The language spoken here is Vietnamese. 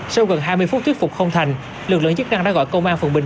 sau gần hai mươi phút thuyết phục không thành lực lượng chức năng đã gọi công an phường bình